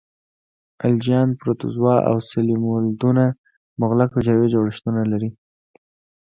الجیان، پروتوزوا او سلیمولدونه مغلق حجروي جوړښت لري.